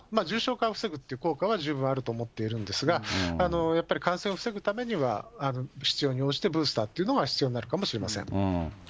重症化を防ぐっていう効果は十分あると思っているんですが、やっぱり感染を防ぐためには、必要に応じてブースターというのが必要になるかもしれません。